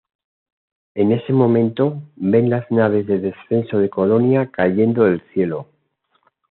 En ese momento, ven las naves de descenso de Colonia cayendo del cielo.